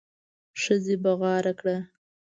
ښځې بغاره کړه.